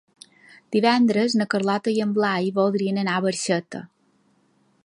Divendres na Carlota i en Blai voldrien anar a Barxeta.